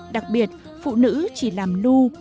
đặc biệt phụ nữ chỉ làm lưu